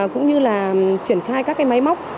cũng như là triển khai các máy móc